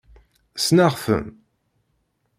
Ssneɣ-ten.